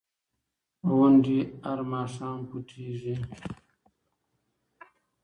غوندې هر ماښام پټېږي.